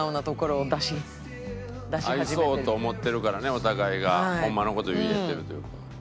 合いそうと思ってるからねお互いがホンマの事言えてるというか。